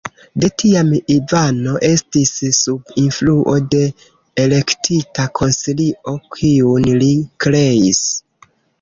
De tiam Ivano estis sub influo de "Elektita Konsilio", kiun li kreis.